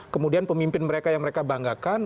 kemudian pemimpin mereka yang mereka banggakan